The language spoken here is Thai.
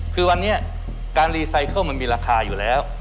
คือวันนี้การรีไซเคิลมันมีราคาอยู่แล้ว